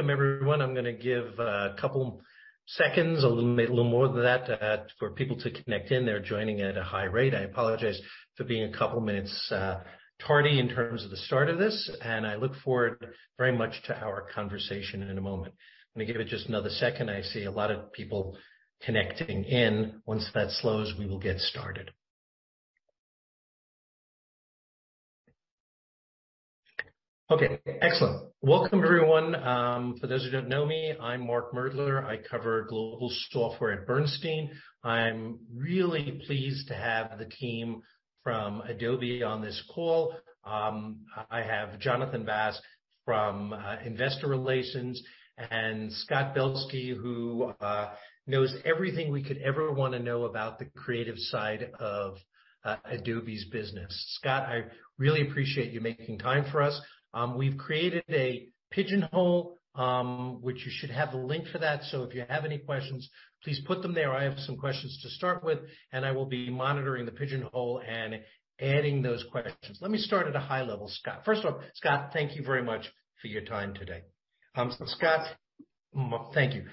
Welcome, everyone. I'm gonna give a couple seconds, a little more than that, for people to connect in. They're joining at a high rate. I apologize for being a couple minutes tardy in terms of the start of this, and I look forward very much to our conversation in a moment. Let me give it just another second. I see a lot of people connecting in. Once that slows, we will get started. Okay, excellent. Welcome, everyone. For those who don't know me, I'm Mark Moerdler. I cover global software at Bernstein. I'm really pleased to have the team from Adobe on this call. I have Jonathan Vaas from investor relations, and Scott Belsky, who knows everything we could ever wanna know about the creative side of Adobe's business. Scott, I really appreciate you making time for us. We've created a pigeonhole, which you should have the link for that. If you have any questions, please put them there. I have some questions to start with, and I will be monitoring the pigeonhole and adding those questions. Let me start at a high level, Scott. First of all, Scott, thank you very much for your time today. Scott, thank you.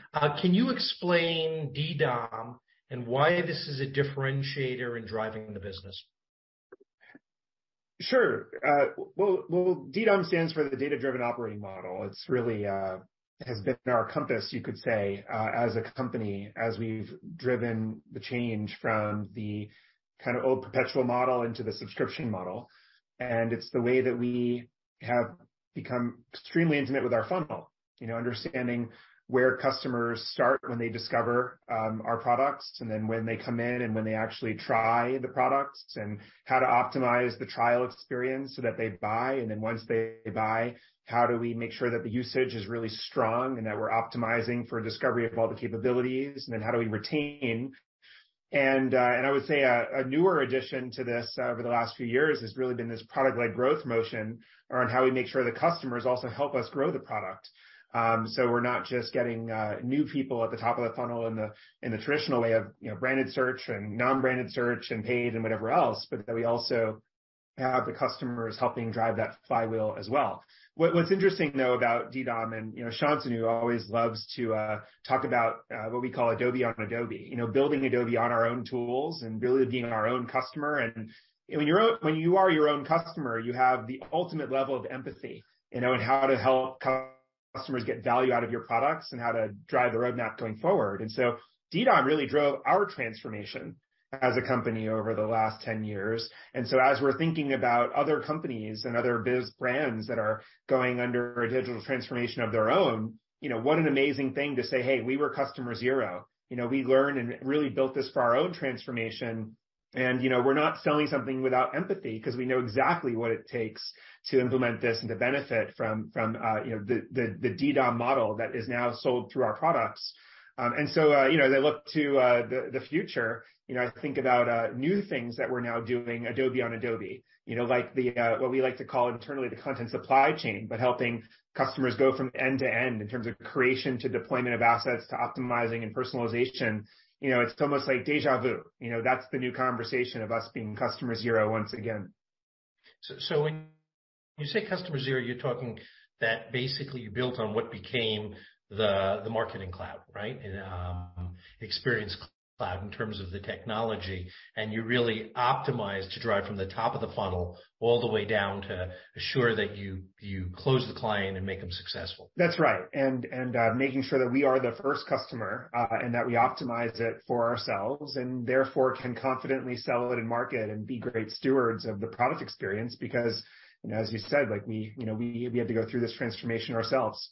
Can you explain DDOM and why this is a differentiator in driving the business? Sure. Well, DDOM stands for the Data-Driven Operating Model. It's really has been our compass, you could say, as a company, as we've driven the change from the kind of old perpetual model into the subscription model. It's the way that we have become extremely intimate with our funnel understanding where customers start when they discover our products, and then when they come in and when they actually try the products, and how to optimize the trial experience so that they buy. Once they buy, how do we make sure that the usage is really strong and that we're optimizing for discovery of all the capabilities, and then how do we retain. I would say a newer addition to this over the last few years has really been this product-led growth motion around how we make sure the customers also help us grow the product. We're not just getting new people at the top of the funnel in the, in the traditional way of branded search and non-branded search and paid and whatever else, but that we also have the customers helping drive that flywheel as well. What's interesting, though, about DDOM and Shantanu always loves to talk about what we call Adobe on Adobe., building Adobe on our own tools and really being our own customer. When you are your own customer, you have the ultimate level of empathy in how to help customers get value out of your products and how to drive the roadmap going forward. DDOM really drove our transformation as a company over the last 10 years. As we're thinking about other companies and other brands that are going under a digital transformation of their own what an amazing thing to say, "Hey, we were customer zero., we learned and really built this for our own transformation. , we're not selling something without empathy because we know exactly what it takes to implement this and to benefit from the DDOM model that is now sold through our products., they look to, the future., I think about new things that we're now doing Adobe on adobe like the, what we like to call internally the Content Supply Chain, but helping customers go from end to end in terms of creation to deployment of assets to optimizing and personalization. , it's almost like deja vu., that's the new conversation of us being customer zero once again. When you say customer zero, you're talking that basically you built on what became the Marketing Cloud, right? Experience Cloud in terms of the technology. You really optimized to drive from the top of the funnel all the way down to assure that you close the client and make them successful. That's right. And making sure that we are the first customer, and that we optimize it for ourselves, and therefore, can confidently sell it and market and be great stewards of the product experience., as you said, like we we had to go through this transformation ourselves.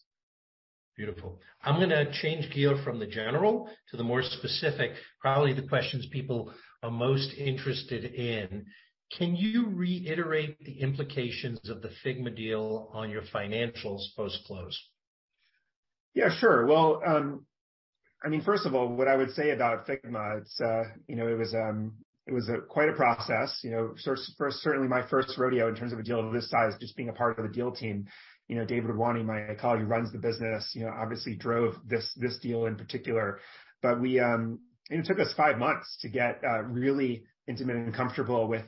Beautiful. I'm gonna change gear from the general to the more specific, probably the questions people are most interested in. Can you reiterate the implications of the Figma deal on your financials post-close? Yeah, sure. Well, I mean, first of all, what I would say about Figma, it's it was, it was quite a process., certainly my first rodeo in terms of a deal of this size, just being a part of the deal team. , David Wadhwani, my colleague who runs the business obviously drove this deal in particular. It took us 5 months to get really intimate and comfortable with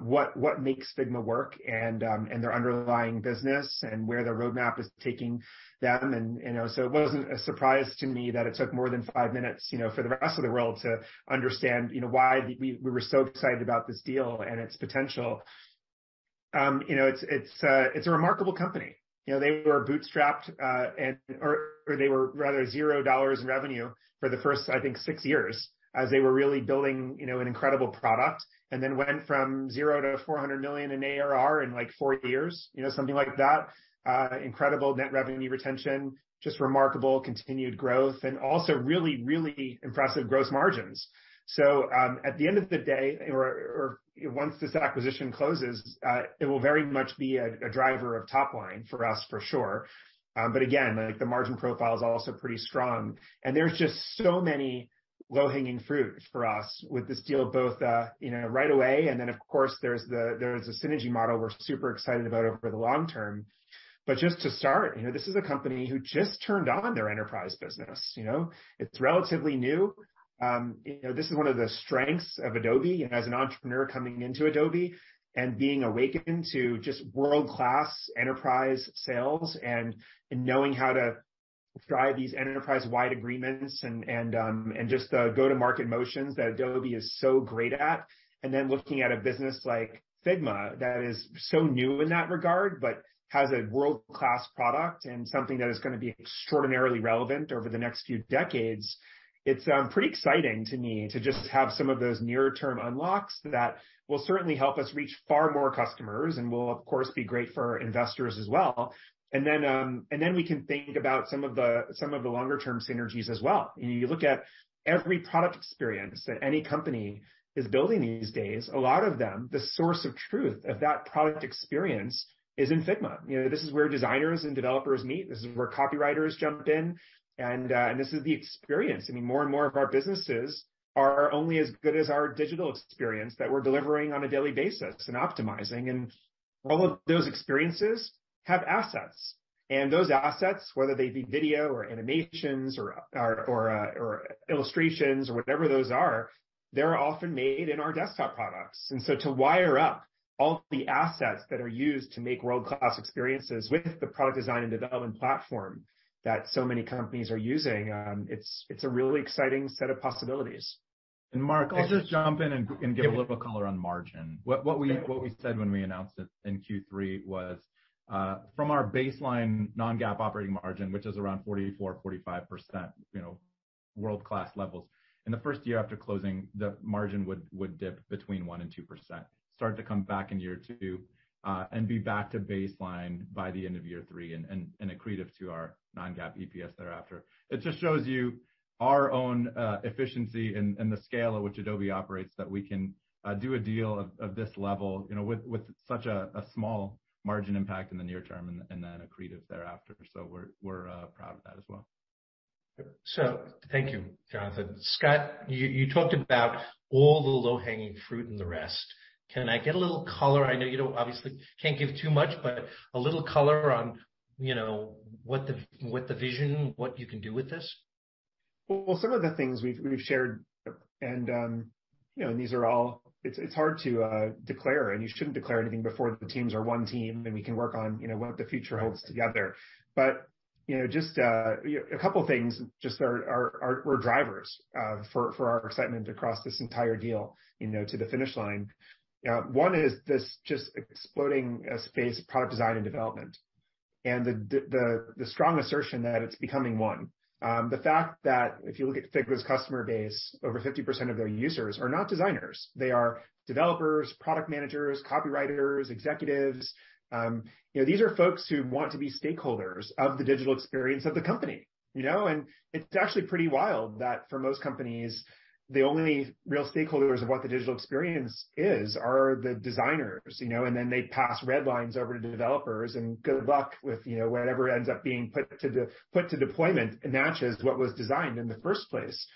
what makes Figma work and their underlying business and where their roadmap is taking them., so it wasn't a surprise to me that it took more than 5 minutes for the rest of the world to understand why we were so excited about this deal and its potential., it's a, it's a remarkable company. , they were bootstrapped, or they were rather $0 in revenue for the first, I think, six years as they were really building an incredible product, and then went from $0 to $400 million in ARR in, like, four years., something like that. Incredible net revenue retention, just remarkable continued growth, and also really, really impressive gross margins. At the end of the day or once this acquisition closes, it will very much be a driver of top line for us, for sure. Again, like, the margin profile is also pretty strong. There's just so many low-hanging fruit for us with this deal, both right away, then, of course, there's the synergy model we're super excited about over the long term. Just to start this is a company who just turned on their enterprise business,? It's relatively new. , this is one of the strengths of Adobe, as an entrepreneur coming into Adobe and being awakened to just world-class enterprise sales and knowing how to drive these enterprise-wide agreements and just the go-to-market motions that Adobe is so great at, looking at a business like Figma that is so new in that regard, but has a world-class product and something that is gonna be extraordinarily relevant over the next few decades. It's pretty exciting to me to just have some of those near term unlocks that will certainly help us reach far more customers and will of course, be great for investors as well. Then we can think about some of the, some of the longer-term synergies as well. You look at every product experience that any company is building these days, a lot of them, the source of truth of that product experience is in Figma., this is where designers and developers meet, this is where copywriters jump in, and this is the experience. I mean, more and more of our businesses are only as good as our digital experience that we're delivering on a daily basis and optimizing. All of those experiences have assets. Those assets, whether they be video or animations or illustrations or whatever those are, they're often made in our desktop products. To wire up all the assets that are used to make world-class experiences with the product design and development platform that so many companies are using, it's a really exciting set of possibilities. Mark- I'll just jump in and give a little color on margin. What we said when we announced it in Q3 was from our baseline non-GAAP operating margin, which is around 44%-45% world-class levels. In the first year after closing, the margin would dip between 1% and 2%, start to come back in year two, and be back to baseline by the end of year three and accretive to our non-GAAP EPS thereafter. It just shows you our own efficiency and the scale at which Adobe operates, that we can do a deal of this level with such a small margin impact in the near term and then accretive thereafter. We're proud of that as well. Thank you, Jonathan. Scott, you talked about all the low-hanging fruit and the rest. Can I get a little color? I know you don't, obviously can't give too much, but a little color on what the vision, what you can do with this. Well, some of the things we've shared these are all. It's hard to declare, and you shouldn't declare anything before the teams are one team, and we can work on what the future holds together. just a couple of things just were drivers for our excitement across this entire deal to the finish line. One is this just exploding space, product design and development. The strong assertion that it's becoming one. The fact that if you look at Figma's customer base, over 50% of their users are not designers. They are developers, product managers, copywriters, executives. These are folks who want to be stakeholders of the digital experience of the company. It's actually pretty wild that for most companies, the only real stakeholders of what the digital experience is are the designers and then they pass red lines over to developers, and good luck with whatever ends up being put to deployment matches what was designed in the first place.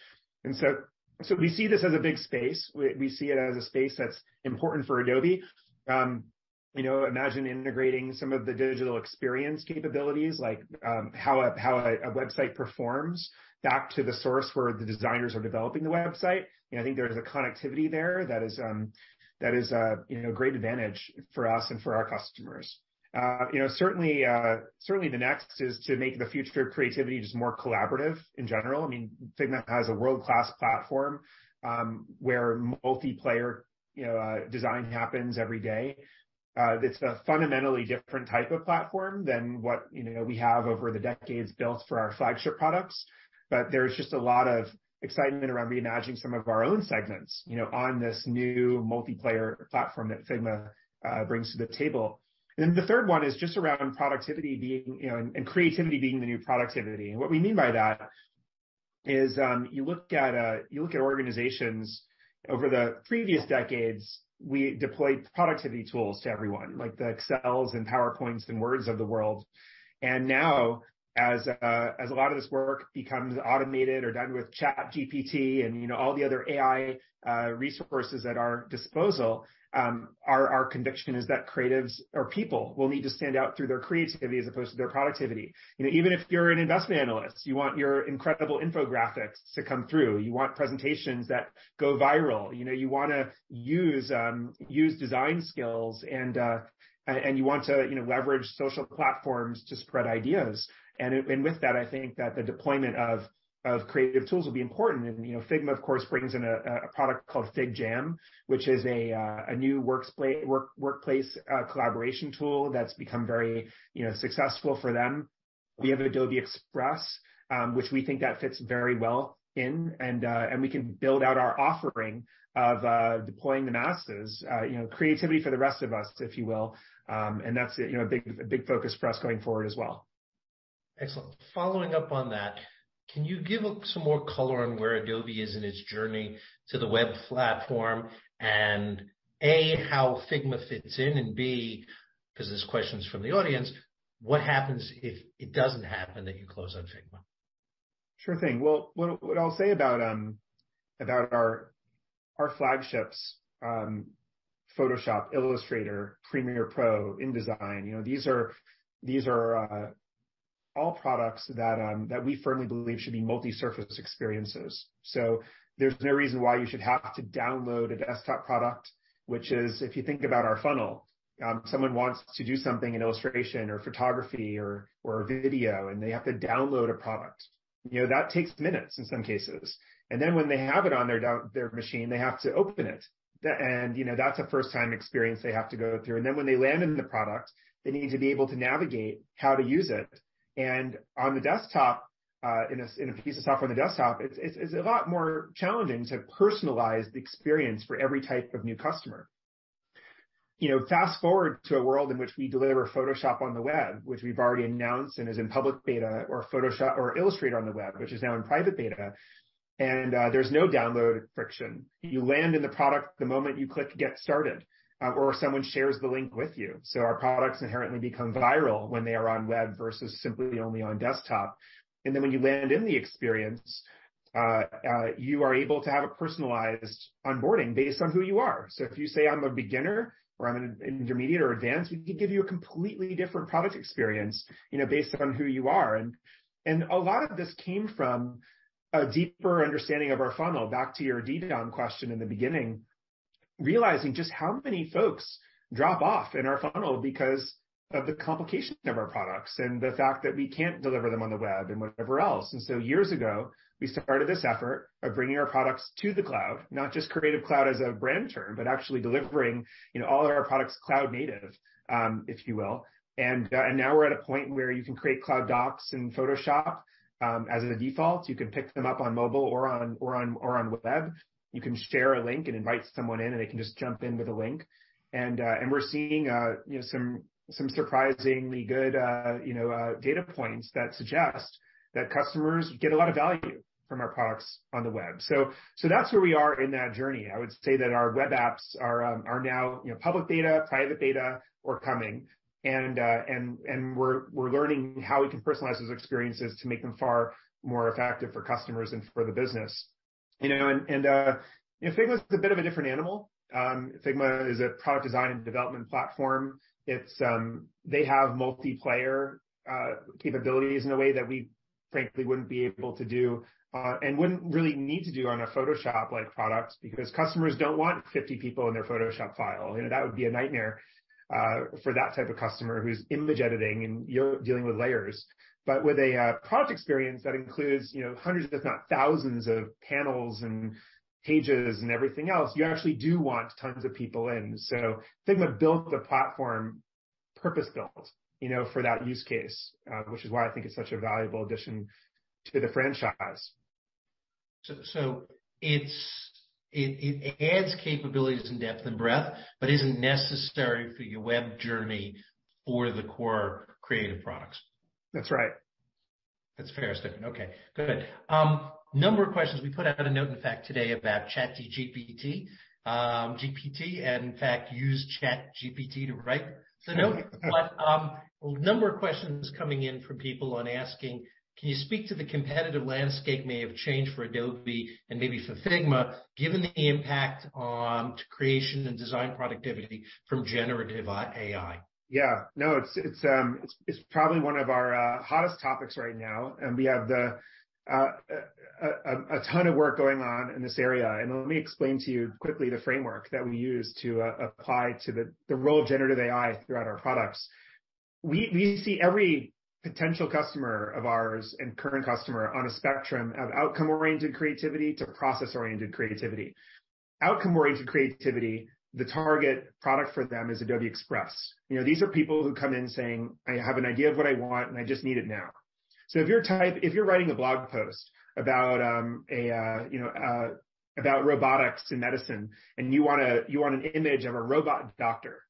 We see this as a big space. We see it as a space that's important for Adobe., imagine integrating some of the digital experience capabilities, like, how a website performs back to the source where the designers are developing the website., I think there's a connectivity there that is a great advantage for us and for our customers., certainly the next is to make the future of creativity just more collaborative in general. I mean, Figma has a world-class platform, where multiplayer design happens every day. It's a fundamentally different type of platform than what we have over the decades built for our flagship products. There's just a lot of excitement around reimagining some of our own segments on this new multiplayer platform that Figma brings to the table. The third one is just around productivity being and creativity being the new productivity. What we mean by that is, you look at, you look at organizations over the previous decades, we deployed productivity tools to everyone, like the Excels and PowerPoints and Words of the world. Now, as a lot of this work becomes automated or done with ChatGPT and all the other AI resources at our disposal, our conviction is that creatives or people will need to stand out through their creativity as opposed to their productivity., even if you're an investment analyst, you want your incredible infographics to come through. You want presentations that go viral., you wanna use design skills, and you want to leverage social platforms to spread ideas. With that, I think that the deployment of creative tools will be important. Figma, of course, brings in a product called FigJam, which is a new workplace collaboration tool that's become very successful for them. We have Adobe Express, which we think that fits very well in, and we can build out our offering of deploying the masses creativity for the rest of us, if you will. that's a big focus for us going forward as well. Excellent. Following up on that, can you give us some more color on where Adobe is in its journey to the web platform and A, how Figma fits in, and B, 'cause there's questions from the audience, what happens if it doesn't happen, that you close on Figma? Sure thing. Well, what I'll say about our flagships, Photoshop, Illustrator, Premiere Pro, InDesign these are All products that we firmly believe should be multi-surface experiences. There's no reason why you should have to download a desktop product, which is if you think about our funnel, someone wants to do something in illustration or photography or video, and they have to download a product., that takes minutes in some cases. Then when they have it on their machine, they have to open it., that's a first-time experience they have to go through. Then when they land in the product, they need to be able to navigate how to use it. On the desktop, in a piece of software on the desktop, it's a lot more challenging to personalize the experience for every type of new customer., fast-forward to a world in which we deliver Photoshop on the web, which we've already announced and is in public beta, or Photoshop or Illustrator on the web, which is now in private beta, and there's no download friction. You land in the product the moment you click Get Started, or someone shares the link with you. Our products inherently become viral when they are on web versus simply only on desktop. Then when you land in the experience, you are able to have a personalized onboarding based on who you are. If you say, "I'm a beginner," or, "I'm an intermediate or advanced," we can give you a completely different product experience based on who you are. A lot of this came from a deeper understanding of our funnel, back to your DDOM question in the beginning, realizing just how many folks drop off in our funnel because of the complication of our products and the fact that we can't deliver them on the web and whatever else. Years ago, we started this effort of bringing our products to the cloud, not just Creative Cloud as a brand term, but actually delivering all of our products cloud native, if you will. Now we're at a point where you can create Cloud docs in Photoshop, as a default. You can pick them up on mobile or on web. You can share a link and invite someone in, and they can just jump in with a link. We're seeing some surprisingly good data points that suggest that customers get a lot of value from our products on the web. That's where we are in that journey. I would say that our web apps are now public beta, private beta or coming. We're learning how we can personalize those experiences to make them far more effective for customers and for the business. , Figma is a bit of a different animal. Figma is a product design and development platform. It's. They have multiplayer capabilities in a way that we frankly wouldn't be able to do and wouldn't really need to do on a Photoshop-like product because customers don't want 50 people in their Photoshop file., that would be a nightmare for that type of customer who's image editing, and you're dealing with layers. With a product experience that includes hundreds if not thousands of panels and pages and everything else, you actually do want tons of people in. Figma built the platform, purpose-built for that use case, which is why I think it's such a valuable addition to the franchise. It adds capabilities and depth and breadth but isn't necessary for your web journey for the core creative products. That's right. That's a fair statement. Okay, good. Number of questions. We put out a note, in fact, today about ChatGPT, GPT, and in fact, used ChatGPT to write the note. A number of questions coming in from people on asking, can you speak to the competitive landscape may have changed for Adobe and maybe for Figma, given the impact on creation and design productivity from generative AI? Yeah. No, it's probably one of our hottest topics right now, and we have a ton of work going on in this area. Let me explain to you quickly the framework that we use to apply to the role of generative AI throughout our products. We see every potential customer of ours and current customer on a spectrum of outcome-oriented creativity to process-oriented creativity. Outcome-oriented creativity, the target product for them is Adobe Express., these are people who come in saying, "I have an idea of what I want, and I just need it now." If you're writing a blog post about about robotics in medicine, and you wanna. You want an image of a robot doctor,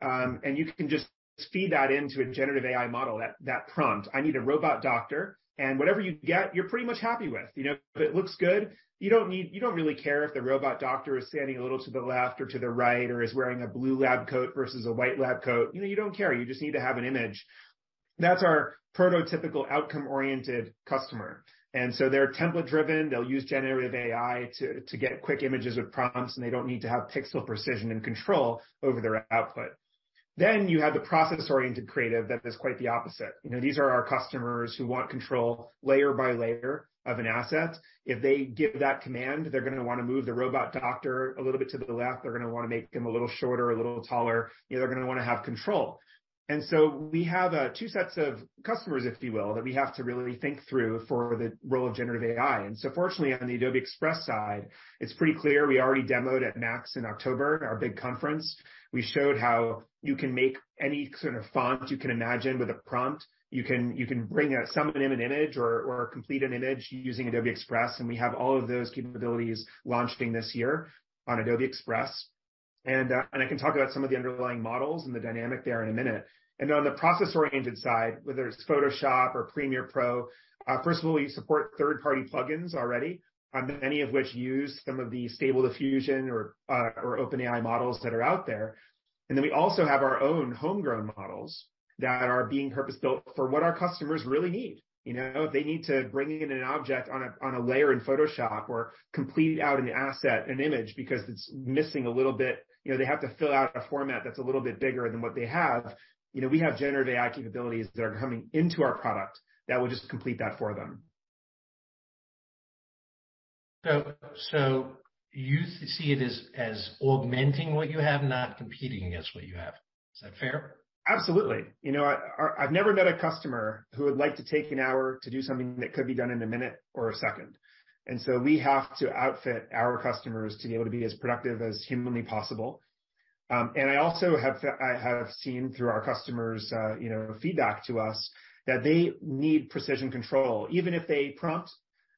and you can just feed that into a generative AI model, that prompt, "I need a robot doctor," and whatever you get, you're pretty much happy with., if it looks good, you don't really care if the robot doctor is standing a little to the left or to the right or is wearing a blue lab coat versus a white lab coat., you don't care. You just need to have an image. That's our prototypical outcome-oriented customer. They're template-driven. They'll use generative AI to get quick images with prompts, and they don't need to have pixel precision and control over their output. You have the process-oriented creative that is quite the opposite., these are our customers who want control layer by layer of an asset. If they give that command, they're gonna wanna move the robot doctor a little bit to the left. They're gonna wanna make him a little shorter, a little taller., they're gonna wanna have control. We have two sets of customers, if you will, that we have to really think through for the role of generative AI. Fortunately, on the Adobe Express side, it's pretty clear. We already demoed at MAX in October, our big conference. We showed how you can make any sort of font you can imagine with a prompt. You can bring out someone in an image or complete an image using Adobe Express, and we have all of those capabilities launching this year on Adobe Express. And I can talk about some of the underlying models and the dynamic there in a minute. On the process-oriented side, whether it's Photoshop or Premiere Pro, first of all, we support third-party plugins already, many of which use some of the Stable Diffusion or OpenAI models that are out there. We also have our own homegrown models that are being purpose-built for what our customers really need., if they need to bring in an object on a, on a layer in Photoshop or complete out an asset, an image, because it's missing a little bit they have to fill out a format that's a little bit bigger than what they have we have generative AI capabilities that are coming into our product that will just complete that for them. You see it as augmenting what you have, not competing against what you have. Is that fair? Absolutely., I've never met a customer who would like to take an hour to do something that could be done in a minute or a second. We have to outfit our customers to be able to be as productive as humanly possible. I also have seen through our customers' feedback to us that they need precision control. Even if they prompt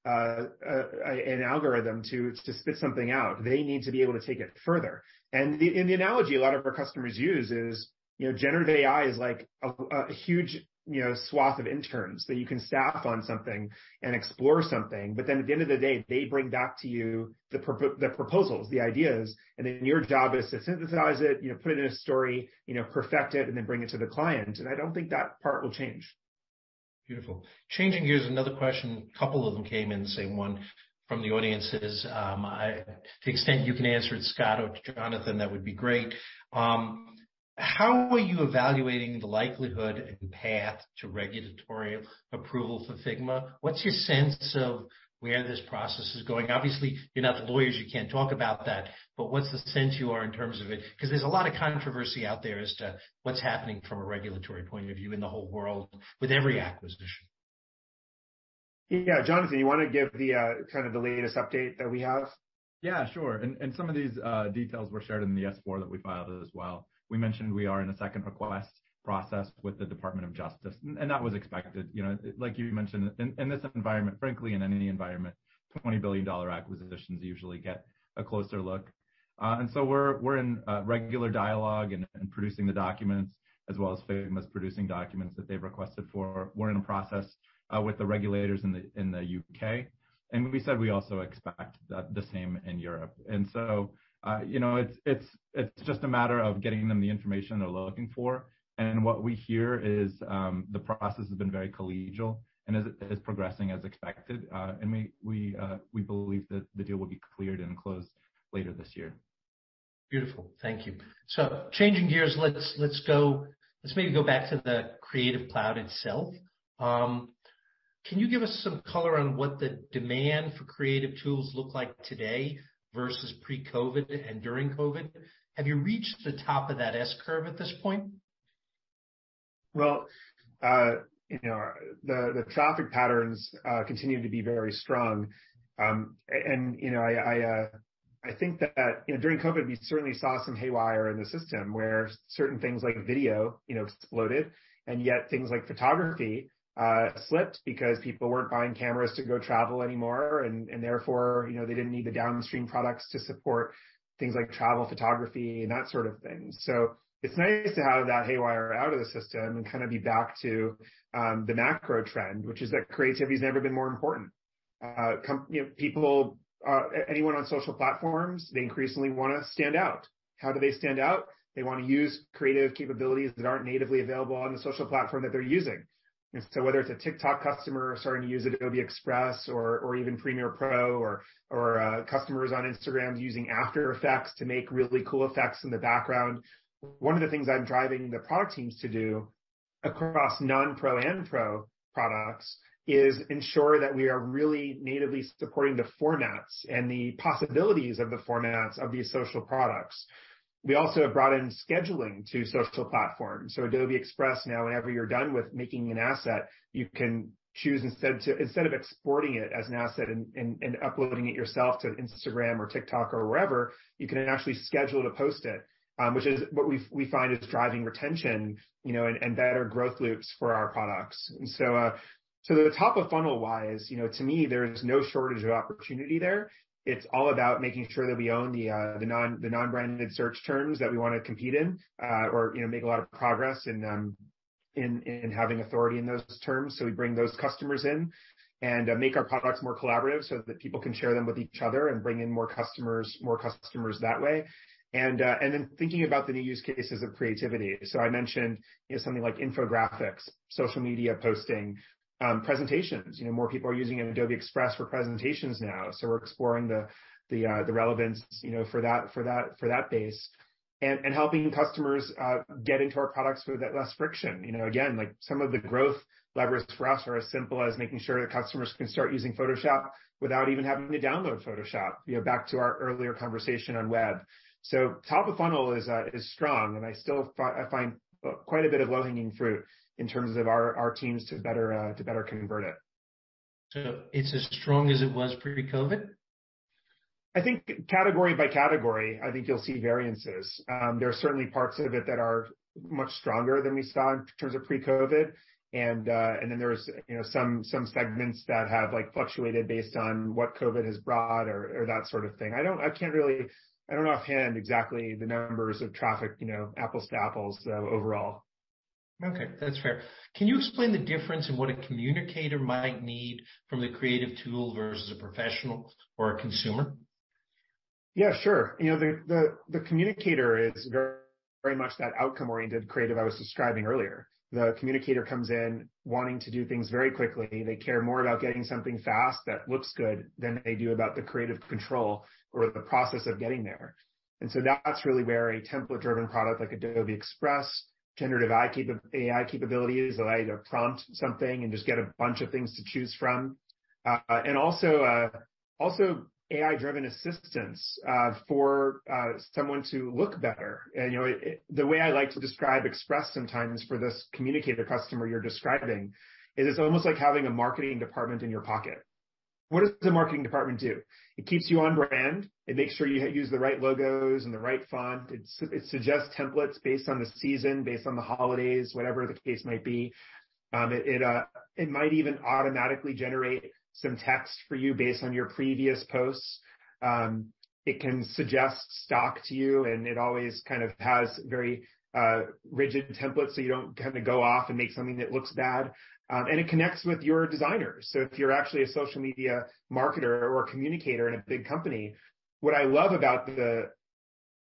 an algorithm to spit something out, they need to be able to take it further. The analogy a lot of our customers use is generative AI is like a huge swath of interns that you can staff on something and explore something. At the end of the day, they bring back to you the proposals, the ideas, and then your job is to synthesize it put it in a story perfect it, and then bring it to the client. I don't think that part will change. Beautiful. Changing gears, another question. A couple of them came in saying one from the audiences. To the extent you can answer it, Scott or Jonathan, that would be great. How are you evaluating the likelihood and path to regulatory approval for Figma? What's your sense of where this process is going? Obviously, you're not the lawyers, you can't talk about that, but what's the sense you are in terms of it? 'Cause there's a lot of controversy out there as to what's happening from a regulatory point of view in the whole world with every acquisition. Yeah, Jonathan, you wanna give the, kind of the latest update that we have? Yeah, sure. Some of these details were shared in the S-4 that we filed as well. We mentioned we are in a Second Request process with the Department of Justice, that was expected., like you mentioned, in this environment, frankly, in any environment, $20 billion acquisitions usually get a closer look. We're in regular dialogue and producing the documents as well as Figma's producing documents that they've requested for. We're in a process with the regulators in the UK, and we said we also expect the same in Europe. , it's just a matter of getting them the information they're looking for. What we hear is, the process has been very collegial and is progressing as expected. We believe that the deal will be cleared and closed later this year. Beautiful. Thank you. Changing gears, let's go, let's maybe go back to the Creative Cloud itself. Can you give us some color on what the demand for creative tools look like today versus pre-COVID and during COVID? Have you reached the top of that S-curve at this point? well the traffic patterns continue to be very strong., I think that during COVID, we certainly saw some haywire in the system where certain things like video exploded, and yet things like photography slipped because people weren't buying cameras to go travel anymore. therefore they didn't need the downstream products to support things like travel photography and that sort of thing. It's nice to have that haywire out of the system and kind of be back to the macro trend, which is that creativity's never been more important., people, anyone on social platforms, they increasingly wanna stand out. How do they stand out? They wanna use creative capabilities that aren't natively available on the social platform that they're using. Whether it's a TikTok customer starting to use Adobe Express or even Premiere Pro or customers on Instagram using After Effects to make really cool effects in the background, one of the things I'm driving the product teams to do across non-pro and pro products is ensure that we are really natively supporting the formats and the possibilities of the formats of these social products. We also have brought in scheduling to social platforms. Adobe Express now whenever you're done with making an asset, you can choose instead of exporting it as an asset and uploading it yourself to Instagram or TikTok or wherever, you can actually schedule to post it. Which is what we find is driving retention and better growth loops for our products. So the top of funnel wise to me, there is no shortage of opportunity there. It's all about making sure that we own the non-branded search terms that we wanna compete in, or make a lot of progress in having authority in those terms. We bring those customers in and make our products more collaborative so that people can share them with each other and bring in more customers, more customers that way. Then thinking about the new use cases of creativity. I mentioned something like infographics, social media posting, presentations., more people are using Adobe Express for presentations now, we're exploring the relevance for that, for that, for that base. Helping customers get into our products with less friction., again, like some of the growth levers for us are as simple as making sure that customers can start using Photoshop without even having to download Photoshop., back to our earlier conversation on web. Top of funnel is strong, and I still find quite a bit of low-hanging fruit in terms of our teams to better convert it. It's as strong as it was pre-COVID? I think category by category, I think you'll see variances. There are certainly parts of it that are much stronger than we saw in terms of pre-COVID. there's some segments that have like fluctuated based on what COVID has brought or that sort of thing. I don't know offhand exactly the numbers of traffic apples to apples overall. Okay. That's fair. Can you explain the difference in what a communicator might need from the creative tool versus a professional or a consumer? Yeah, sure., the communicator is very much that outcome-oriented creative I was describing earlier. The communicator comes in wanting to do things very quickly. They care more about getting something fast that looks good than they do about the creative control or the process of getting there. That's really where a template-driven product like Adobe Express, generative AI capabilities allow you to prompt something and just get a bunch of things to choose from. Also, AI-driven assistance for someone to look better. the way I like to describe Express sometimes for this communicator customer you're describing is it's almost like having a marketing department in your pocket. What does the marketing department do? It keeps you on brand. It makes sure you use the right logos and the right font. It suggests templates based on the season, based on the holidays, whatever the case might be. It might even automatically generate some text for you based on your previous posts. It can suggest stock to you, and it always kind of has very rigid templates, so you don't kind of go off and make something that looks bad. It connects with your designers. If you're actually a social media marketer or communicator in a big company, what I love about the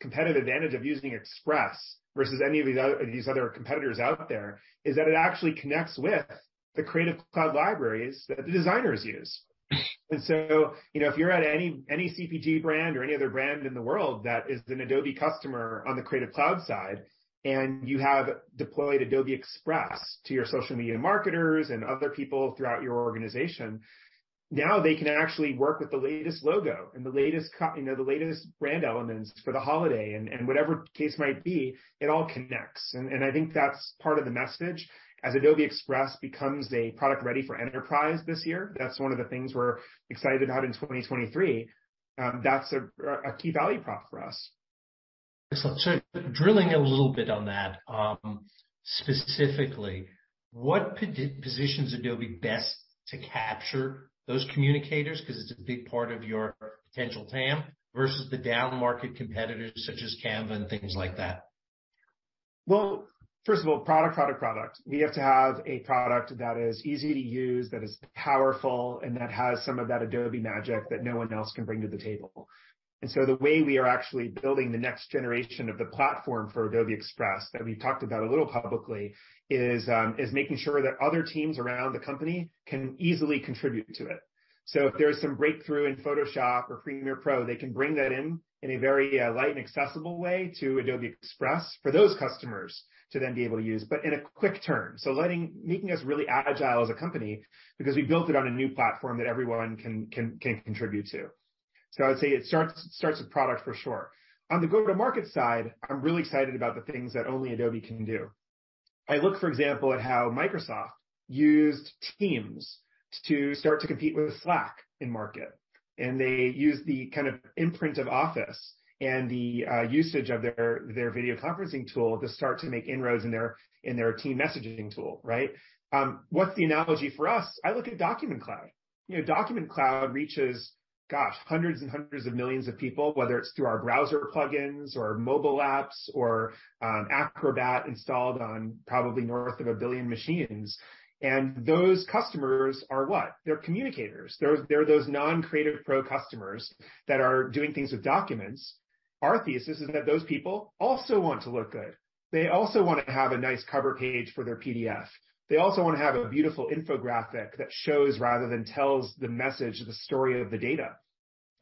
competitive advantage of using Adobe Express versus any of these other competitors out there is that it actually connects with the Adobe Creative Cloud libraries that the designers use., if you're at any CPG brand or any other brand in the world that is an Adobe customer on the Creative Cloud side, and you have deployed Adobe Express to your social media marketers and other people throughout your organization, now they can actually work with the latest logo and the latest the latest brand elements for the holiday and whatever the case might be, it all connects. I think that's part of the message. As Adobe Express becomes a product ready for enterprise this year, that's one of the things we're excited about in 2023. That's a key value prop for us. Excellent. drilling a little bit on that, specifically, what positions Adobe best to capture those communicators because it's a big part of your potential TAM versus the downmarket competitors such as Canva and things like that? Well, first of all, product, product. We have to have a product that is easy to use, that is powerful, and that has some of that Adobe magic that no one else can bring to the table. The way we are actually building the next generation of the platform for Adobe Express that we've talked about a little publicly is making sure that other teams around the company can easily contribute to it. If there's some breakthrough in Photoshop or Premiere Pro, they can bring that in in a very light and accessible way to Adobe Express for those customers to then be able to use, but in a quick turn. Making us really agile as a company because we built it on a new platform that everyone can contribute to. I would say it starts with product for sure. On the go-to-market side, I'm really excited about the things that only Adobe can do. I look, for example, at how Microsoft used Teams to start to compete with Slack in market. They used the kind of imprint of Office and the usage of their video conferencing tool to start to make inroads in their team messaging tool, right? What's the analogy for us? I look at Document Cloud., Document Cloud reaches, gosh, hundreds and hundreds of millions of people, whether it's through our browser plugins or mobile apps or Acrobat installed on probably north of 1 billion machines. Those customers are what? They're communicators. They're those non-Creative Pro customers that are doing things with documents. Our thesis is that those people also want to look good. They also want to have a nice cover page for their PDF. They also want to have a beautiful infographic that shows rather than tells the message or the story of the data.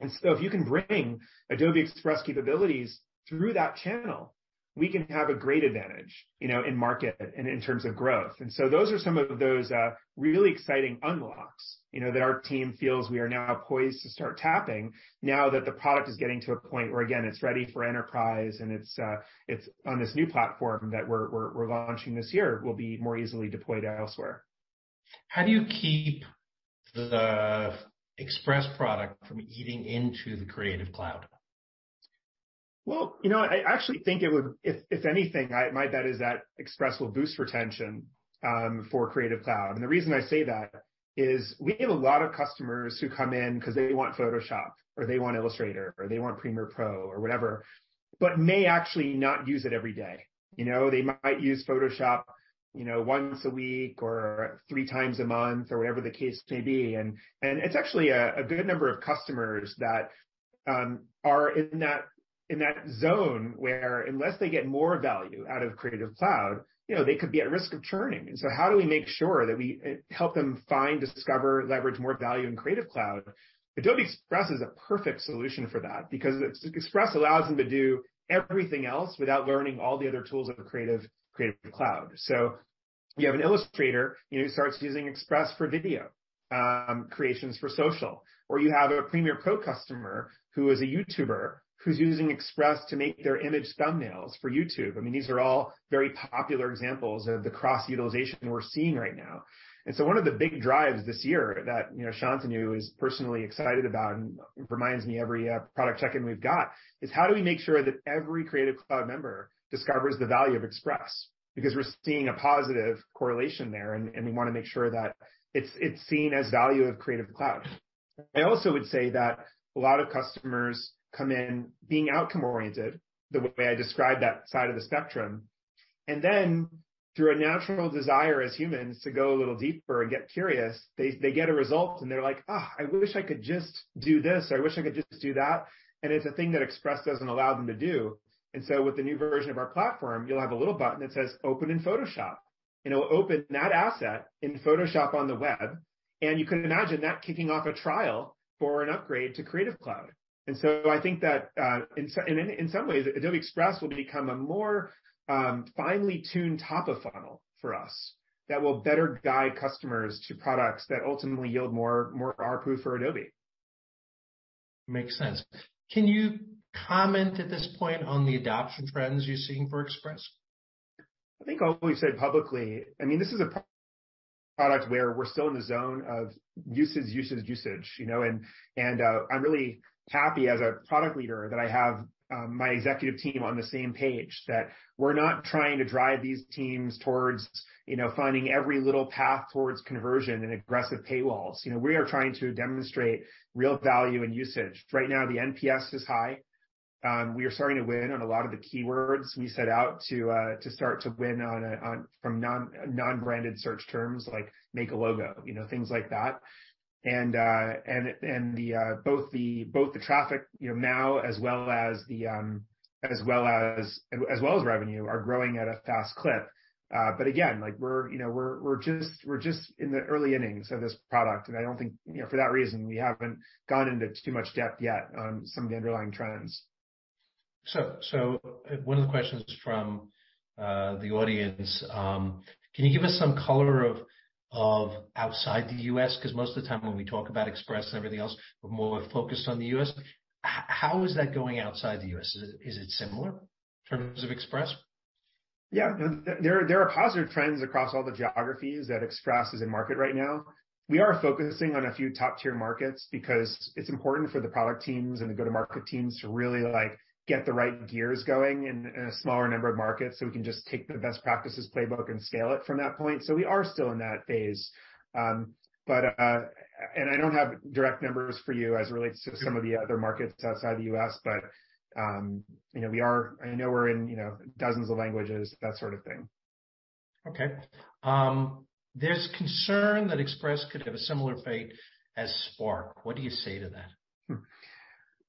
If you can bring Adobe Express capabilities through that channel, we can have a great advantage in market and in terms of growth. Those are some of those really exciting unlocks that our team feels we are now poised to start tapping now that the product is getting to a point where, again, it's ready for enterprise, and it's on this new platform that we're launching this year, will be more easily deployed elsewhere. How do you keep the Express product from eating into the Creative Cloud? well I actually think it would. If anything, my bet is that Express will boost retention for Creative Cloud. The reason I say that is we have a lot of customers who come in 'cause they want Photoshop, or they want Illustrator, or they want Premiere Pro or whatever, but may actually not use it every day.? They might use photoshop once a week or three times a month or whatever the case may be. It's actually a good number of customers that are in that zone where unless they get more value out of Creative cloud they could be at risk of churning. How do we make sure that we help them find, discover, leverage more value in Creative Cloud? Adobe Express is a perfect solution for that because Express allows them to do everything else without learning all the other tools in Creative Cloud. You have an Illustrator who starts using Express for video creations for social. You have a Premiere Pro customer who is a YouTuber who's using Express to make their image thumbnails for YouTube. I mean, these are all very popular examples of the cross-utilization we're seeing right now. One of the big drives this year that Shantanu is personally excited about and reminds me every product check-in we've got is how do we make sure that every Creative Cloud member discovers the value of Express? We're seeing a positive correlation there, and we wanna make sure that it's seen as value of Creative Cloud. I also would say that a lot of customers come in being outcome-oriented, the way I described that side of the spectrum, and then through a natural desire as humans to go a little deeper and get curious, they get a result and they're like, "Ugh, I wish I could just do this. I wish I could just do that." It's a thing that Express doesn't allow them to do. With the new version of our platform, you'll have a little button that says, "Open in Photoshop." It'll open that asset in Photoshop on the web, and you can imagine that kicking off a trial for an upgrade to Creative Cloud. I think that, in some ways, Adobe Express will become a more finely tuned top of funnel for us that will better guide customers to products that ultimately yield more ARPU for Adobe. Makes sense. Can you comment at this point on the adoption trends you're seeing for Express? I think all we've said publicly, I mean, this is a product where we're still in the zone of usage, usage,. I'm really happy as a product leader that I have my executive team on the same page that we're not trying to drive these teams towards finding every little path towards conversion and aggressive paywalls. We are trying to demonstrate real value and usage. Right now, the NPS is high. We are starting to win on a lot of the keywords we set out to start to win on from non-branded search terms like make a logo things like that. And the both the traffic now as well as the as well as revenue are growing at a fast clip. Again, like we're we're just in the early innings of this product, and I don't think for that reason, we haven't gone into too much depth yet on some of the underlying trends. One of the questions from the audience, can you give us some color of outside the US? Cause most of the time when we talk about Express and everything else, we're more focused on the US. How is that going outside the US? Is it similar in terms of Express? Yeah. There are positive trends across all the geographies that Express is in market right now. We are focusing on a few top-tier markets because it's important for the product teams and the go-to-market teams to really, like, get the right gears going in a smaller number of markets, so we can just take the best practices playbook and scale it from that point. We are still in that phase. And I don't have direct numbers for you as it relates to some of the other markets outside the US, but we are... I know we're in dozens of languages, that sort of thing. Okay. There's concern that Express could have a similar fate as Spark. What do you say to that?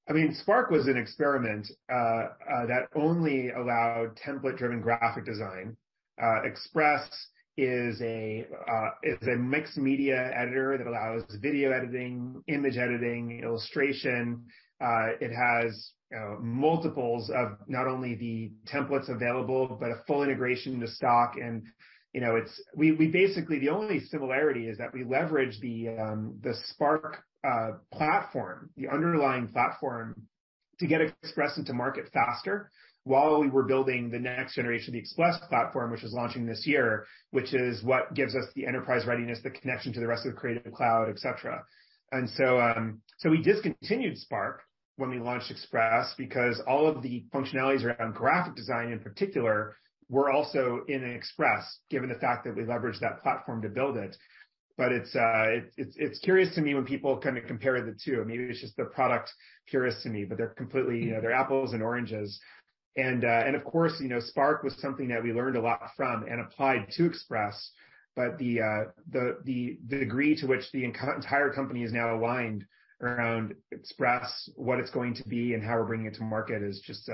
I mean, Adobe Spark was an experiment that only allowed template-driven graphic design. Adobe Express is a mixed media editor that allows video editing, image editing, illustration. It has multiples of not only the templates available, but a full integration into Adobe Stock and it's. We basically, the only similarity is that we leverage the Adobe Spark platform, the underlying platform to get Adobe Express into market faster while we were building the next generation of the Adobe Express platform, which is launching this year, which is what gives us the enterprise readiness, the connection to the rest of the Adobe Creative Cloud, et cetera. So we discontinued Adobe Spark when we launched Adobe Express because all of the functionalities around graphic design in particular were also in Adobe Express, given the fact that we leveraged that platform to build it. It's curious to me when people kind of compare the two. Maybe it's just the product's curious to me, but they're completely they're apples and oranges. Of course adobe Spark was something that we learned a lot from and applied to Adobe Express. The degree to which the entire company is now aligned around Adobe Express, what it's going to be, and how we're bringing it to market is just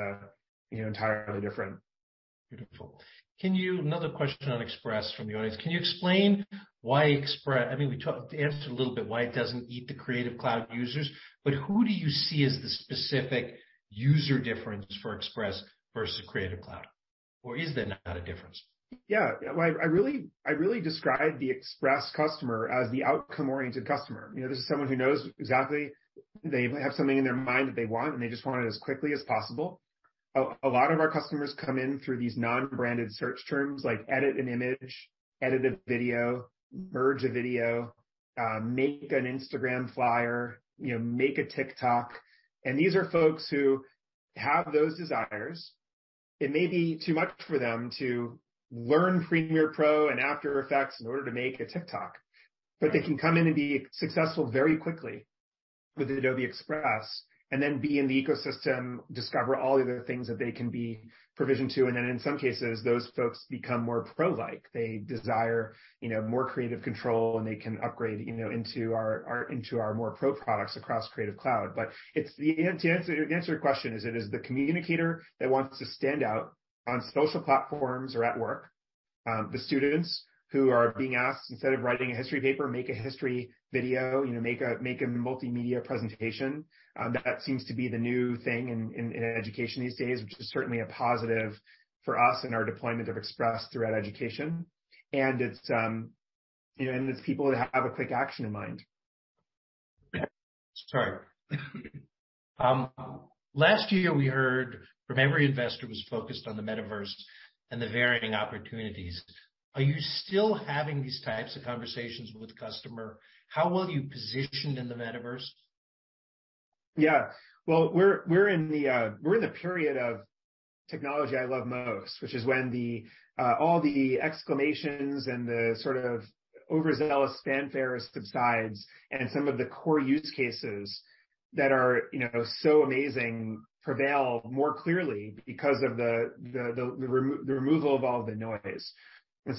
entirely different. Beautiful. Another question on Adobe Express from the audience. Can you explain why Adobe Express, I mean, we answered a little bit why it doesn't eat the Adobe Creative Cloud users, but who do you see as the specific user difference for Adobe Express versus Adobe Creative Cloud? Or is there not a difference? Yeah. Well, I really describe the Express customer as the outcome-oriented customer., this is someone who knows exactly... They have something in their mind that they want, and they just want it as quickly as possible. A lot of our customers come in through these non-branded search terms like edit an image, edit a video, merge a video, make an Instagram flyer make a TikTok. These are folks who have those desires. It may be too much for them to learn Premiere Pro and After Effects in order to make a TikTok, but they can come in and be successful very quickly with Adobe Express and then be in the ecosystem, discover all the other things that they can be provisioned to. Then in some cases, those folks become more pro like. They desire more creative control, and they can upgrade into our more pro products across Creative Cloud. To answer your question, it is the communicator that wants to stand out on social platforms or at work, the students who are being asked, instead of writing a history paper, make a history video make a multimedia presentation. That seems to be the new thing in education these days, which is certainly a positive for us in our deployment of Express throughout education. it's and it's people that have a quick action in mind. Sorry. Last year we heard from every investor who's focused on the metaverse and the varying opportunities. Are you still having these types of conversations with customer? How well are you positioned in the metaverse? Yeah. Well, we're in the period of technology I love most, which is when the all the exclamations and the sort of overzealous fanfare subsides and some of the core use cases that are so amazing prevail more clearly because of the removal of all the noise.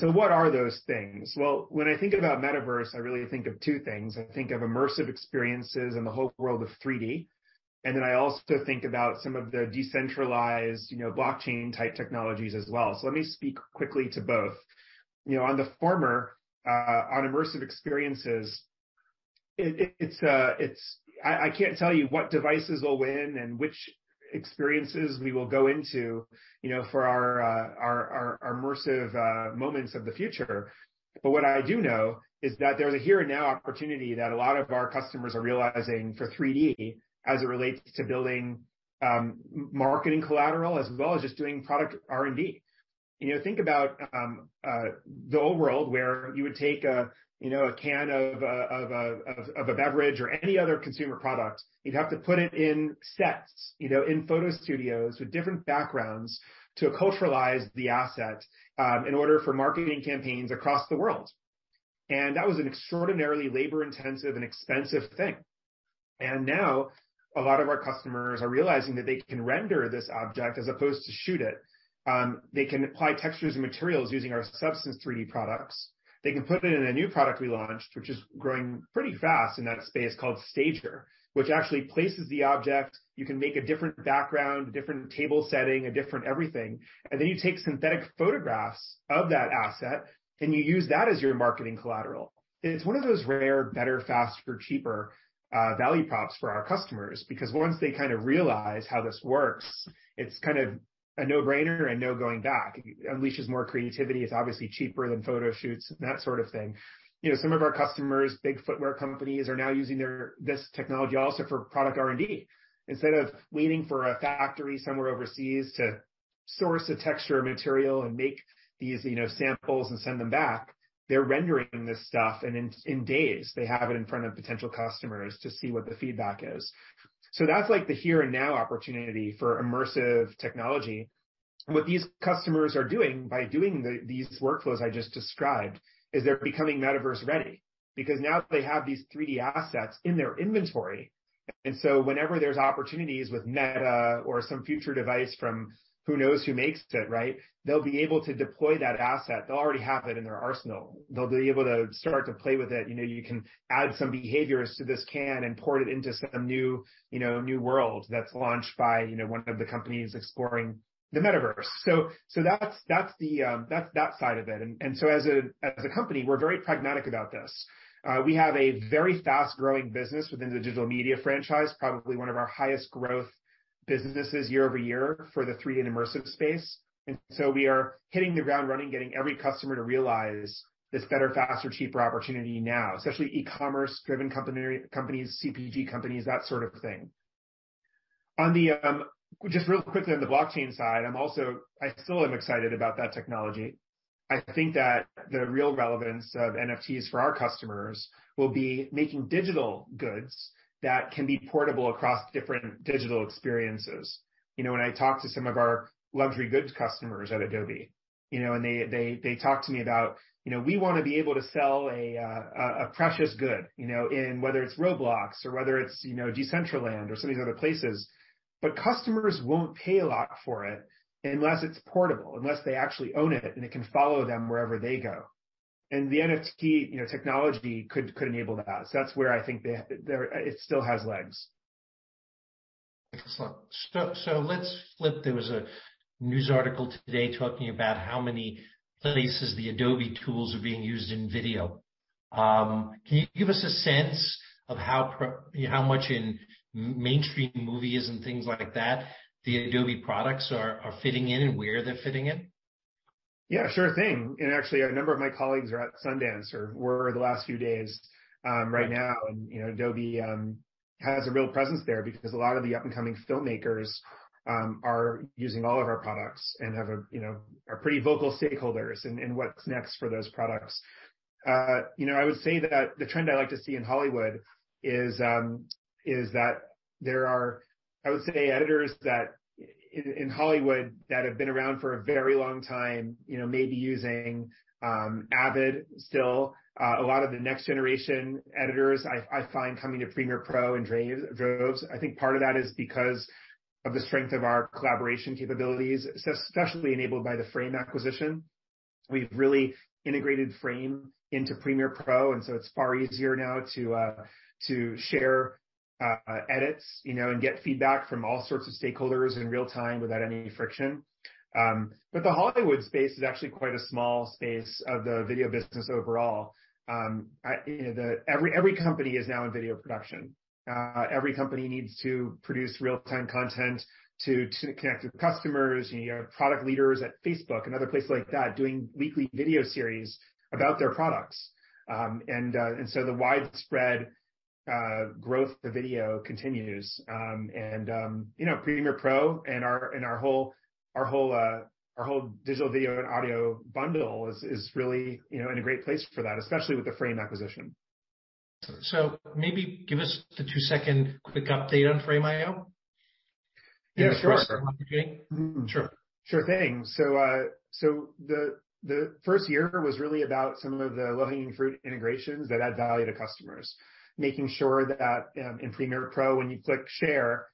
What are those things? Well, when I think about metaverse, I really think of 2 things. I think of immersive experiences and the whole world of 3D, and then I also think about some of the decentralized blockchain-type technologies as well. Let me speak quickly to both., on the former, on immersive experiences, it, it's... I can't tell you what devices will win and which experiences we will go into for our immersive moments of the future. What I do know is that there's a here and now opportunity that a lot of our customers are realizing for 3D as it relates to building, marketing collateral, as well as just doing product R&D., think about the old world, where you would take a a can of a beverage or any other consumer product. You'd have to put it in sets in photo studios with different backgrounds to culturalize the asset, in order for marketing campaigns across the world. That was an extraordinarily labor-intensive and expensive thing. Now, a lot of our customers are realizing that they can render this object as opposed to shoot it. They can apply textures and materials using our Substance 3D products. They can put it in a new product we launched, which is growing pretty fast in that space, called Stager, which actually places the object. You can make a different background, a different table setting, a different everything, and then you take synthetic photographs of that asset, and you use that as your marketing collateral. It's one of those rare better, faster, cheaper, value props for our customers because once they kind of realize how this works, it's kind of a no-brainer and no going back. It unleashes more creativity. It's obviously cheaper than photo shoots and that sort of thing. some of our customers, big footwear companies, are now using this technology also for product R&D. Instead of waiting for a factory somewhere overseas to source a texture or material and make these samples and send them back, they're rendering this stuff, and in days they have it in front of potential customers to see what the feedback is. That's like the here and now opportunity for immersive technology. What these customers are doing by doing these workflows I just described is they're becoming metaverse ready because now they have these 3D assets in their inventory. Whenever there's opportunities with Meta or some future device from who knows who makes it, right? They'll be able to deploy that asset. They'll already have it in their arsenal. They'll be able to start to play with it., you can add some behaviors to this can and port it into some new new world that's launched by one of the companies exploring the metaverse. That's, that's the, that's that side of it. As a, as a company, we're very pragmatic about this. We have a very fast-growing business within the digital media franchise, probably one of our highest growth businesses year-over-year for the 3D immersive space. We are hitting the ground running, getting every customer to realize this better, faster, cheaper opportunity now, especially e-commerce driven companies, CPG companies, that sort of thing. On the, just real quickly on the blockchain side, I still am excited about that technology. I think that the real relevance of NFTs for our customers will be making digital goods that can be portable across different digital experiences., when I talk to some of our luxury goods customers at adobe they talk to me about "We wanna be able to sell a precious good in whether it's Roblox or whether it's Decentraland or some of these other places." Customers won't pay a lot for it unless it's portable, unless they actually own it and it can follow them wherever they go. The nft technology could enable that. That's where I think it still has legs. Excellent. Let's flip. There was a news article today talking about how many places the Adobe tools are being used in video. Can you give us a sense of how much in mainstream movies and things like that the Adobe products are fitting in and where they're fitting in? Yeah, sure thing. Actually, a number of my colleagues are at Sundance or were the last few days, right now., Adobe has a real presence there because a lot of the up-and-coming filmmakers are using all of our products and have a are pretty vocal stakeholders in what's next for those products., I would say that the trend I like to see in Hollywood is that there are, I would say, editors that in Hollywood that have been around for a very long time maybe using Avid still. A lot of the next generation editors I find coming to Premiere Pro in droves. I think part of that is because of the strength of our collaboration capabilities, especially enabled by the Frame acquisition. We've really integrated Frame into Premiere Pro, and so it's far easier now to share edits and get feedback from all sorts of stakeholders in real time without any friction. The Hollywood space is actually quite a small space of the video business overall. i every company is now in video production. Every company needs to produce real-time content to connect with customers., you have product leaders at Facebook and other places like that doing weekly video series about their products. The widespread growth of video continues., Premiere Pro and our whole digital video and audio bundle is really in a great place for that, especially with the Frame acquisition. maybe give us the two-second quick update on Frame.io. Yeah, sure. If that's okay. Mm-hmm. Sure. Sure thing. The first year was really about some of the low-hanging fruit integrations that add value to customers, making sure that in Premiere Pro, when you click Share,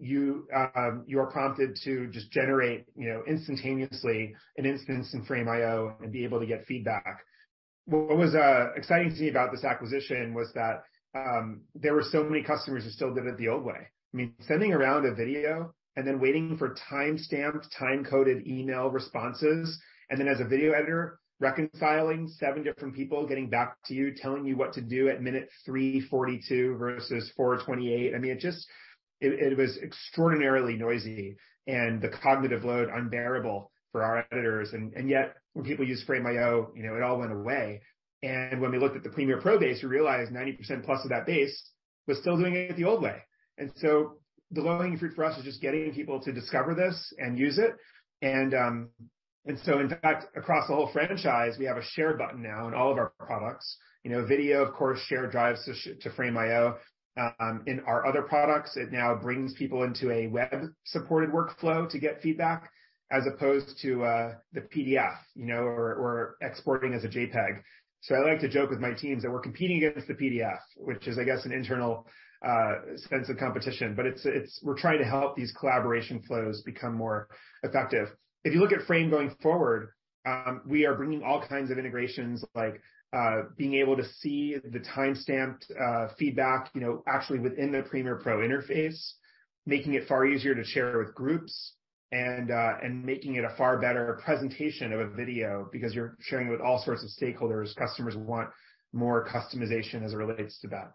you are prompted to just generate instantaneously an instance in Frame.io and be able to get feedback. What was exciting to me about this acquisition was that there were so many customers who still did it the old way. I mean, sending around a video and then waiting for timestamped, time-coded email responses. As a video editor, reconciling seven different people getting back to you, telling you what to do at minute 3:42 versus 4:28. I mean, it was extraordinarily noisy, and the cognitive load unbearable for our editors. Yet when people use frame.io it all went away. When we looked at the Premiere Pro base, we realized 90% plus of that base was still doing it the old way. The low-hanging fruit for us is just getting people to discover this and use it. In fact, across the whole franchise, we have a share button now in all of our products video, of course, share drives to Frame.io. In our other products, it now brings people into a web-supported workflow to get feedback as opposed to the pdf or exporting as a JPEG. I like to joke with my teams that we're competing against the PDF, which is, I guess, an internal sense of competition, but it's, we're trying to help these collaboration flows become more effective. If you look at Frame going forward, we are bringing all kinds of integrations, like being able to see the timestamped feedback actually within the Premiere Pro interface, making it far easier to share with groups and making it a far better presentation of a video because you're sharing it with all sorts of stakeholders. Customers want more customization as it relates to that.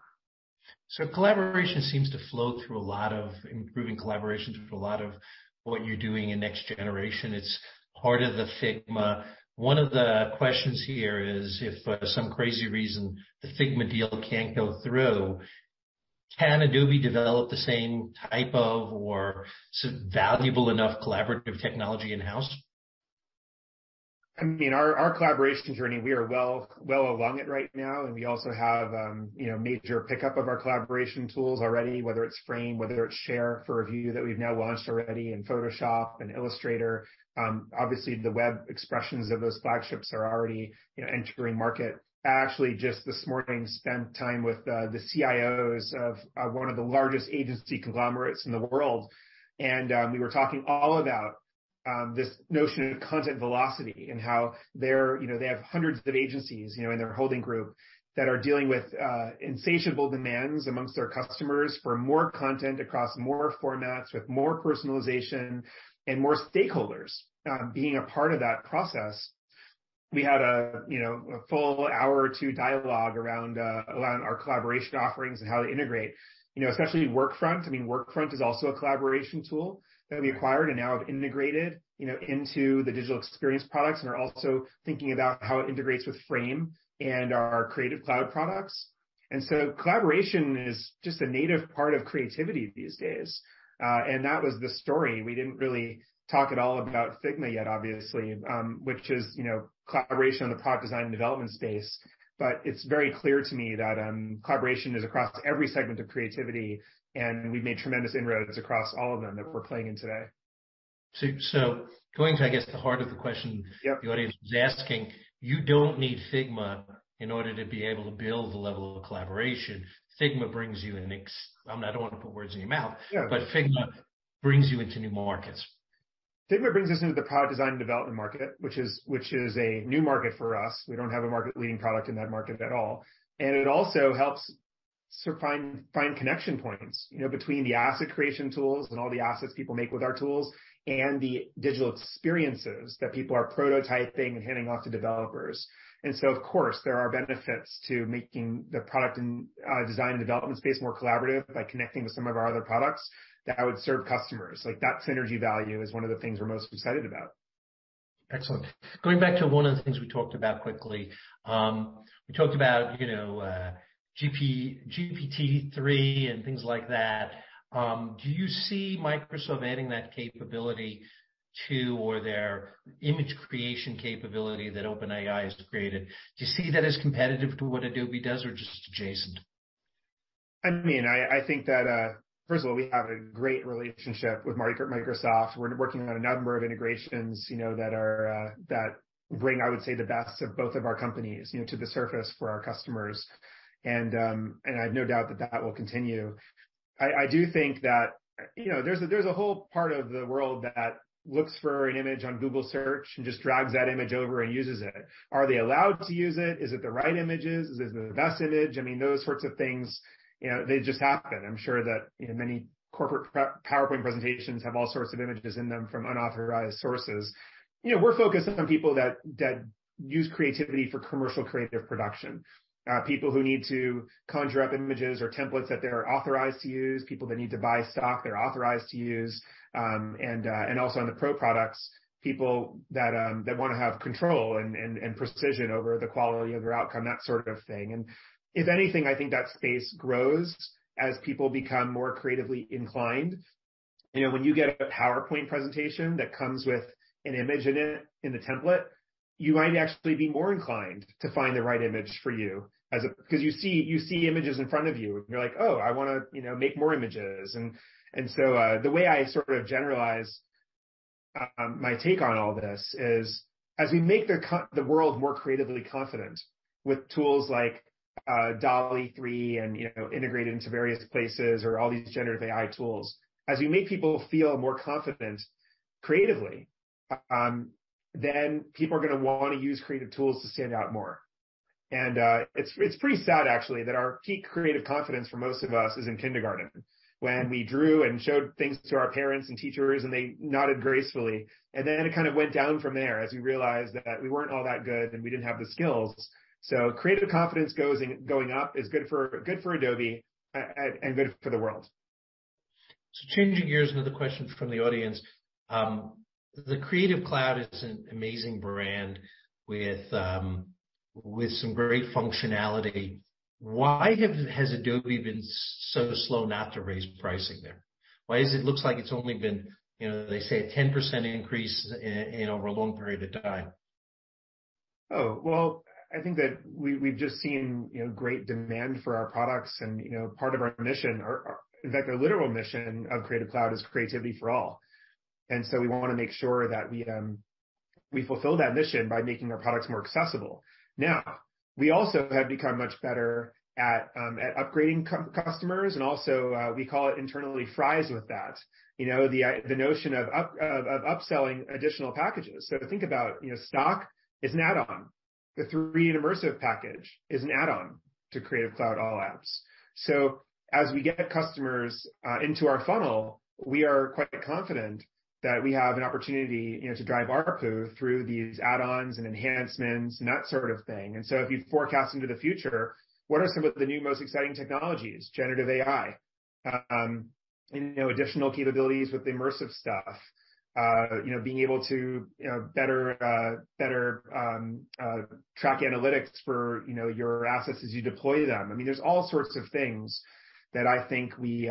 Collaboration seems to flow through improving collaborations with a lot of what you're doing in next generation. It's part of the Figma. One of the questions here is, if for some crazy reason the Figma deal can't go through, can Adobe develop the same type of or valuable enough collaborative technology in-house? I mean, our collaboration journey, we are well along it right now, and we also have major pickup of our collaboration tools already, whether it's Frame, whether it's Share for Review that we've now launched already in Photoshop and Illustrator. Obviously the web expressions of those flagships are already entering market. I actually just this morning spent time with, the CIOs of one of the largest agency conglomerates in the world, and we were talking all about this notion of content velocity and how they're they have hundreds of agencies in their holding group that are dealing with insatiable demands amongst their customers for more content across more formats with more personalization and more stakeholders, being a part of that process. We had a a full hour or two dialogue around our collaboration offerings and how they integrate., especially Workfront. I mean, Workfront is also a collaboration tool that we acquired and now have integrated into the digital experience products and are also thinking about how it integrates with Frame and our Creative Cloud products. Collaboration is just a native part of creativity these days. That was the story. We didn't really talk at all about Figma yet, obviously, which is collaboration on the product design and development space. It's very clear to me that collaboration is across every segment of creativity, and we've made tremendous inroads across all of them that we're playing in today. going to, I guess, the heart of the question. Yep. the audience is asking, you don't need Figma in order to be able to build the level of collaboration. I don't want to put words in your mouth. Yeah. Figma brings you into new markets. Figma brings us into the product design and development market, which is a new market for us. We don't have a market-leading product in that market at all. It also helps sort of find connection points between the asset creation tools and all the assets people make with our tools and the digital experiences that people are prototyping and handing off to developers. Of course, there are benefits to making the product and design and development space more collaborative by connecting with some of our other products that would serve customers. Like, that synergy value is one of the things we're most excited about. Excellent. Going back to one of the things we talked about quickly. We talked about GPT-3 and things like that. Do you see Microsoft adding that capability to or their image creation capability that OpenAI has created? Do you see that as competitive to what Adobe does or just adjacent? I mean, I think that, first of all, we have a great relationship with Microsoft. We're working on a number of integrations that are, that bring, I would say, the best of both of our companies to the surface for our customers. I have no doubt that that will continue. I do think that there's a, there's a whole part of the world that looks for an image on Google Search and just drags that image over and uses it. Are they allowed to use it? Is it the right images? Is it the best image? I mean, those sorts of things they just happen. I'm sure that many corporate PowerPoint presentations have all sorts of images in them from unauthorized sources., we're focused on people that use creativity for commercial creative production. People who need to conjure up images or templates that they're authorized to use. People that need to buy stock they're authorized to use. Also in the Pro Products, people that wanna have control and precision over the quality of their outcome, that sort of thing. If anything, I think that space grows as people become more creatively inclined., when you get a PowerPoint presentation that comes with an image in it, in the template, you might actually be more inclined to find the right image for you because you see images in front of you, and you're like, "Oh, I wanna make more images." The way I sort of generalize my take on all this is, as we make the world more creatively confident with tools like DALL-E 3 and integrated into various places or all these generative AI tools. As we make people feel more confident creatively, then people are gonna wanna use creative tools to stand out more. It's, it's pretty sad actually that our peak creative confidence for most of us is in kindergarten when we drew and showed things to our parents and teachers, and they nodded gracefully. It kind of went down from there as we realized that we weren't all that good, and we didn't have the skills. Creative confidence going up is good for, good for Adobe and good for the world. Changing gears, another question from the audience. The Creative Cloud is an amazing brand with some great functionality. Why has Adobe been so slow not to raise pricing there? Why is it looks like it's only been they say a 10% increase in over a long period of time? Well, I think that we've just seen great demand for our products and part of our mission, our literal mission of Creative Cloud is creativity for all. We wanna make sure that we fulfill that mission by making our products more accessible. Now, we also have become much better at upgrading customers, and also, we call it internally fries with that., the notion of upselling additional packages. Think about Stock is an add-on. The 3D immersive package is an add-on to Creative Cloud All Apps. As we get customers into our funnel, we are quite confident that we have an opportunity to drive ARPU through these add-ons and enhancements and that sort of thing. If you forecast into the future, what are some of the new most exciting technologies? Generative AI., additional capabilities with the immersive stuff. , being able to better track analytics for your assets as you deploy them. I mean, there's all sorts of things that I think we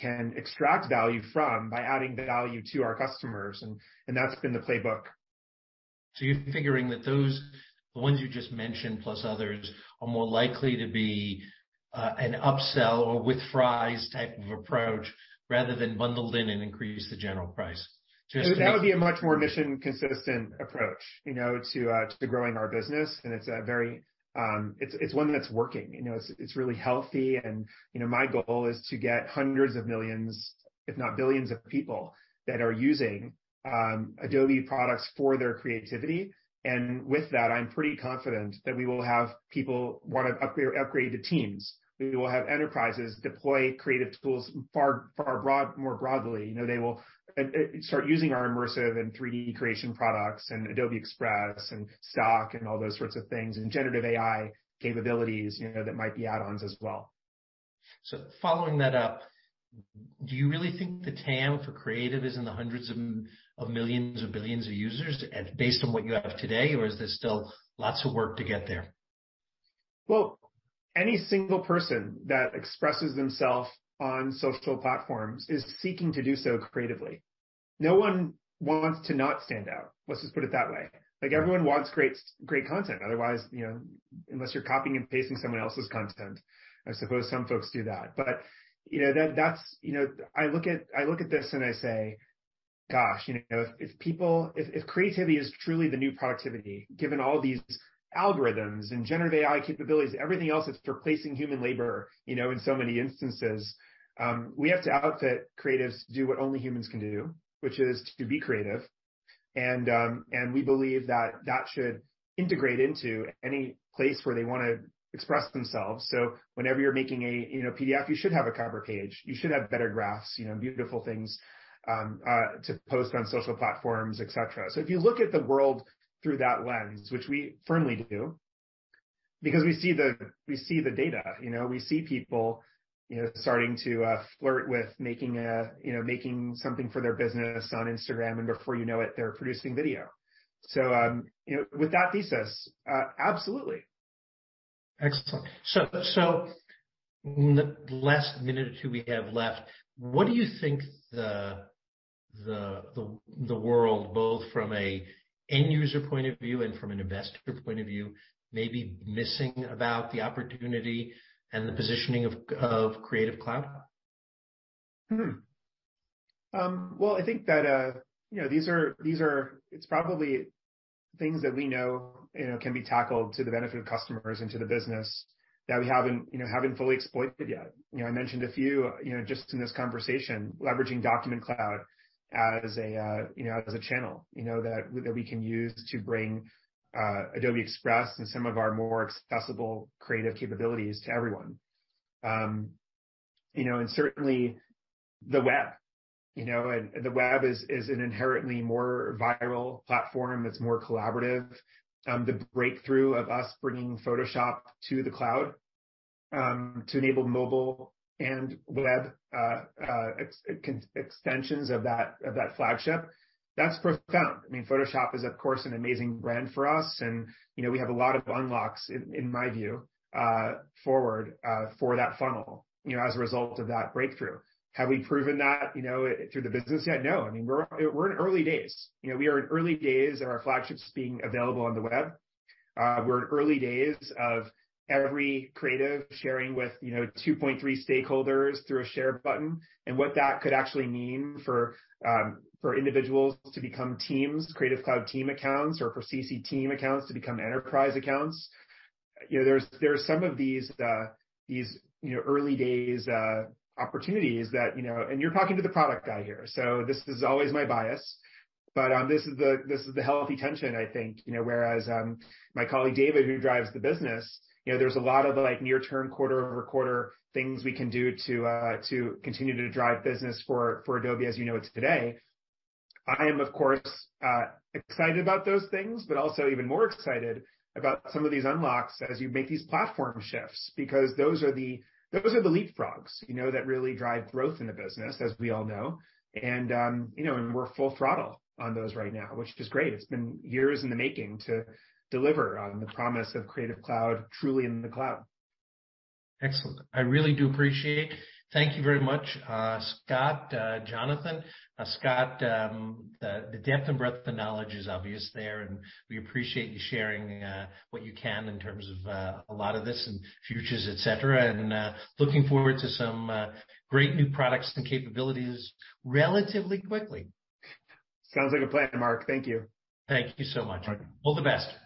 can extract value from by adding value to our customers and that's been the playbook. You're figuring that those, the ones you just mentioned plus others are more likely to be an upsell or with fries type of approach, rather than bundled in and increase the general price? That would be a much more mission consistent approach to growing our business. It's one that's working., it's really healthy my goal is to get hundreds of millions, if not billions of people that are using Adobe products for their creativity. With that, I'm pretty confident that we will have people wanna upgrade to Teams. We will have enterprises deploy creative tools far more broadly., they will start using our immersive and 3D creation products and Adobe Express and Stock and all those sorts of things, generative AI capabilities that might be add-ons as well. Following that up, do you really think the TAM for creative is in the hundreds of millions or billions of users at based on what you have today, or is there still lots of work to get there? Well, any single person that expresses themselves on social platforms is seeking to do so creatively. No one wants to not stand out. Let's just put it that way. Like, everyone wants great content. otherwise unless you're copying and pasting someone else's content, I suppose some folks do that., that's I look at this, and I say, "gosh if people, if creativity is truly the new productivity, given all these algorithms and generative AI capabilities, everything else that's replacing human labor in so many instances, we have to outfit creatives to do what only humans can do, which is to be creative." And we believe that that should integrate into any place where they wanna express themselves. Whenever you're making a PDF, you should have a cover page, you should have better graphs beautiful things to post on social platforms, et cetera. If you look at the world through that lens, which we firmly do, because we see the data,. We see people starting to flirt with making something for their business on Instagram, and before it, they're producing video., with that thesis, absolutely. Excellent. Last minute or two we have left, what do you think the world, both from an end user point of view and from an investor point of view, may be missing about the opportunity and the positioning of Creative Cloud? Well, I think that these are probably things that we know can be tackled to the benefit of customers and to the business that we haven't haven't fully exploited yet., I mentioned a few just in this conversation, leveraging Document Cloud as a as a channel that we can use to bring Adobe Express and some of our more accessible creative capabilities to everyone., and certainly the web,. The web is an inherently more viral platform that's more collaborative. The breakthrough of us bringing Photoshop to the cloud, to enable mobile and web extensions of that flagship, that's profound. I mean, Photoshop is, of course, an amazing brand for us and we have a lot of unlocks in my view, forward, for that funnel as a result of that breakthrough. Have we proven that through the business yet? No. I mean, we're in early days., we are in early days of our flagships being available on the web. We're in early days of every creative sharing with 2.3 stakeholders through a share button, and what that could actually mean for individuals to become teams, Creative Cloud team accounts, or for CC team accounts to become enterprise accounts., there are some of these early days opportunities that,. You're talking to the product guy here, so this is always my bias. This is the healthy tension, I think., whereas, my colleague David, who drives the business there's a lot of, like, near term quarter-over-quarter things we can do to continue to drive business for Adobe as it today. I am, of course, excited about those things, but also even more excited about some of these unlocks as you make these platform shifts, because those are the, those are the leapfrogs that really drive growth in the business, as we all know., and we're full throttle on those right now, which is great. It's been years in the making to deliver on the promise of Creative Cloud truly in the cloud. Excellent. I really do appreciate. Thank you very much, Scott, Jonathan. Scott, the depth and breadth of knowledge is obvious there, and we appreciate you sharing what you can in terms of a lot of this and futures, et cetera. Looking forward to some great new products and capabilities relatively quickly. Sounds like a plan, Mark. Thank you. Thank you so much. All right. All the best.